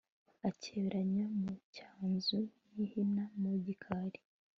akeberanya mu cyanzu yihina mu gikari